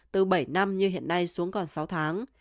từ bảy năm như hiện nay xuống còn sáu tháng